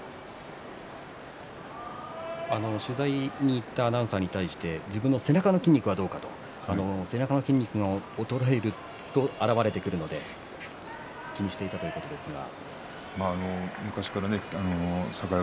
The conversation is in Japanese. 取材に行ったアナウンサーに対して自分の背中の筋肉はどうかと背中の筋肉が衰えると現れてくるので気にしていたということですが。